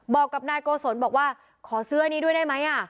บอกกับนายโกศลบอกว่าขอซื้ออันนี้ด้วยได้ไหม